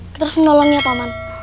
kita harus menolongnya pak man